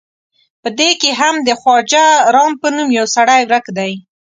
په دې کې هم د خواجه رام په نوم یو سړی ورک دی.